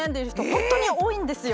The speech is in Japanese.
本当に多いんですよ。